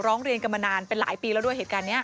ร้องเรียนกันมานานเป็นหลายปีแล้วด้วยเหตุการณ์นี้